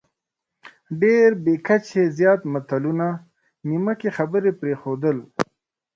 ډېر بې کچې زیات متلونه، نیمه کې خبرې پرېښودل،